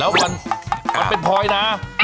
แล้วมันเป็นพลอยนะ